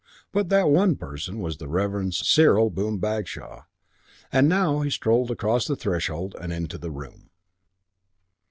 But that one person was the Reverend Cyril Boom Bagshaw, and he now strolled across the threshold and into the room.